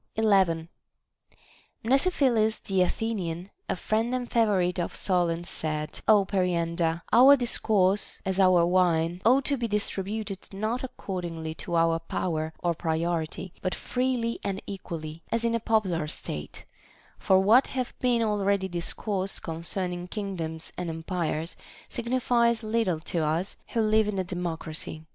11. Mnesiphilus the Athenian, a friend and favorite of Solon's, said : Ο Periander, our discourse, as our wine, ought to be distributed not according to our power or pri oritv, but freely and equally, as in a popular state ; for what hath been already discoursed concerning kingdoms and empires signifies little to us who live in a democracy.